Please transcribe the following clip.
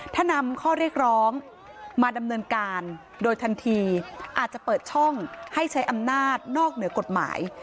ถ้านำข้อเรียกร้องมาดำเนินการโดยทันทีอาจจะเปิดช่องให้ใช้อำนาจนอกเหนือกฎหมาย